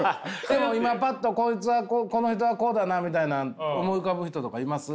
でも今パッとこいつはこの人はこうだなみたいな思い浮かぶ人とかいます？